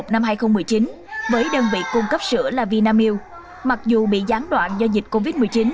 năm hai nghìn một mươi một hai nghìn một mươi chín với đơn vị cung cấp sữa là vinamil mặc dù bị gián đoạn do dịch covid một mươi chín